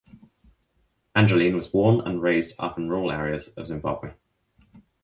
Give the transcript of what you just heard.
Angeline was born and raised up in rural areas of Zimbabwe.